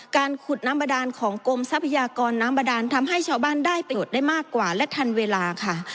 การขุดน้ำบาดานของกรมทรัพยากรน้ำบาดานทำให้ชาวบ้านได้ประโยชน์ได้มากกว่าและทันเวลาค่ะ